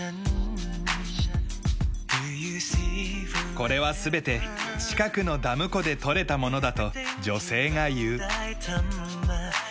これは全て近くのダム湖でとれたものだと女性が言う。